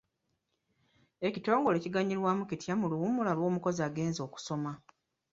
Ekitongole kiganyulwa kitya mu luwummula lw'omukozi agenze okusoma?